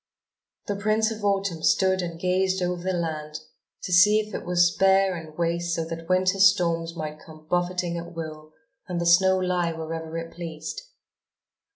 The Prince of Autumn stood and gazed over the land to see if it was bare and waste so that Winter's storms might come buffeting at will and the snow lie wherever it pleased.